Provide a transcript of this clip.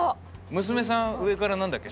娘さん上からなんだっけ？